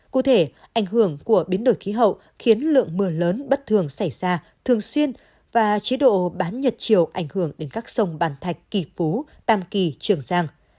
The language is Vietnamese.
cụ thể ảnh hưởng của biến đổi khí hậu khiến lượng mưa lớn bất thường xảy ra thường xuyên và chế độ bán nhật chiều ảnh hưởng đến các sông bàn thạch kỳ phú tam kỳ trường giang